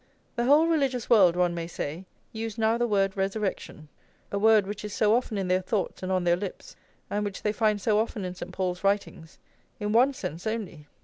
The whole religious world, one may say, use now the word resurrection, a word which is so often in their thoughts and on their lips, and which they find so often in St. Paul's writings, in one sense only.